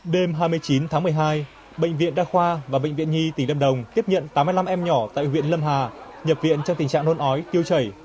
đêm hai mươi chín tháng một mươi hai bệnh viện đa khoa và bệnh viện nhi tỉnh lâm đồng tiếp nhận tám mươi năm em nhỏ tại huyện lâm hà nhập viện trong tình trạng nôn ói tiêu chảy